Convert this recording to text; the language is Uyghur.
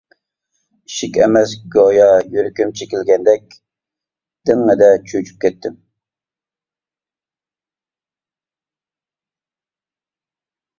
ئىشىك ئەمەس، گويا يۈرىكىم چېكىلگەندەك «دىڭڭىدە» چۆچۈپ كەتتىم.